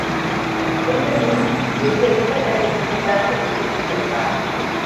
És, de lluny, l'objecte de més importància que s'hi conserva.